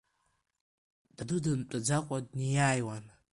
Даду дымтәаӡакәа днеиааиуан.